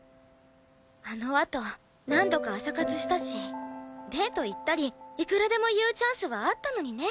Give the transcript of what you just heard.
あのあと何度か朝活したしデート行ったりいくらでも言うチャンスはあったのにね。